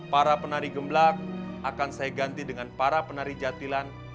para penari gemblak akan saya ganti dengan para penari jatilan